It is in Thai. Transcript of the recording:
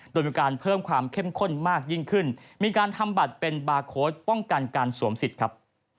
โดยมีการเพิ่มความเข้มข้นมากยิ่งขึ้นมีการทำบัตรเป็นบาร์โค้ดป้องกันการสวมสิทธิ์ครับ